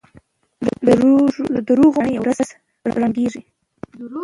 د دروغو ماڼۍ يوه ورځ ړنګېږي.